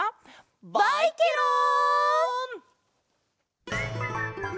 バイケロン！